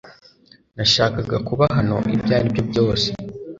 Nashakaga kuba hano ibyo ari byo byose